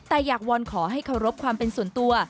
แต่อยากวอนขอให้เคารพความเป็นส่วนตัว